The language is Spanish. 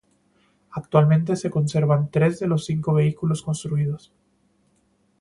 Actualmente se conservan tres de los cinco vehículos construidos.